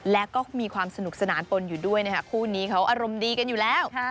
และก็มีความสนุกสนานปนอยู่ด้วยนะครับคู่นี้เขาอารมณ์ดีกันอยู่แล้ว